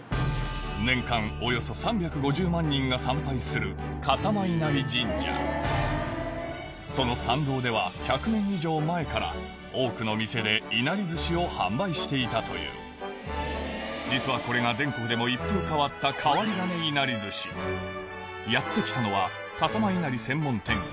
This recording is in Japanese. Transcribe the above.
年間およそ３５０万人が参拝する笠間稲荷神社その参道では１００年以上前から多くの店でいなり寿司を販売していたという実はこれが全国でも一風変わったやって来たのはこんにちは。